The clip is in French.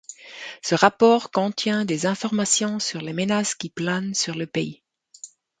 Ce rapport contient des informations sur les menaces qui planent sur le pays.